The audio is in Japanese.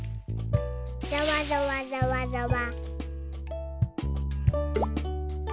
ざわざわざわざわ。